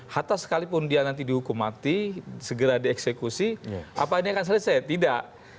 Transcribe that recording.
hatta sekalipun dia nanti dihukum mati segera dieksekusi apa ini akan selesai tidak